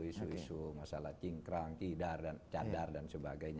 isu isu masalah cingkrang tidar dan cadar dan sebagainya